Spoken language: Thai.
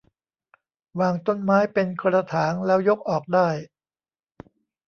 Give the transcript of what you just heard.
วางต้นไม้เป็นกระถางแล้วยกออกได้